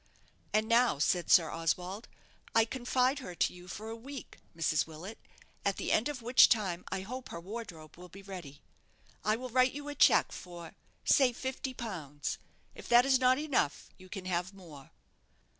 "And now," said Sir Oswald, "I confide her to you for a week, Mrs. Willet, at the end of which time I hope her wardrobe will be ready. I will write you a cheque for say fifty pounds. If that is not enough, you can have more."